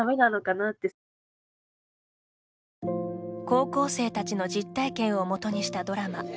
高校生たちの実体験をもとにしたドラマ。